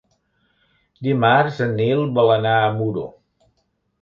Dimarts en Nil vol anar a Muro.